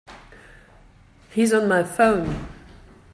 He's on my phone.